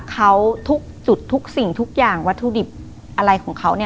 เขาทุกจุดทุกสิ่งทุกอย่างวัตถุดิบอะไรของเขา